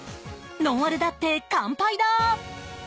ノンアルだって乾杯だ！